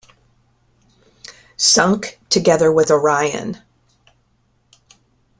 Sunk together with "Orion"